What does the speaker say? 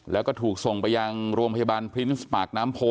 แล้วก็ถูกส่งไปยังโรงพยาบาลพรินส์ปากน้ำโพ